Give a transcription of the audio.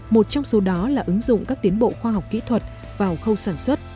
một trong số đó là ứng dụng các tiến bộ khoa học kỹ thuật vào khâu sản xuất